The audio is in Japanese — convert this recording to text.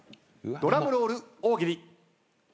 ドラムロール大喜利。